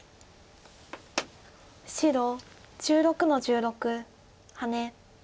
白１６の十六ハネ。